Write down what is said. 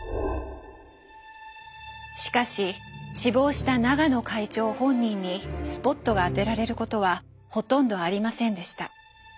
しかし死亡した永野会長本人にスポットが当てられることはほとんどありませんでした。